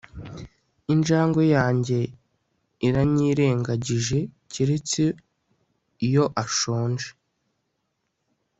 Injangwe yanjye iranyirengagije keretse iyo ashonje